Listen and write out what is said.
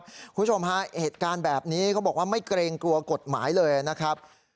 คุณผู้ชมฮะเหตุการณ์แบบนี้เขาบอกว่าไม่เกรงกลัวกฎหมายเลยนะครับ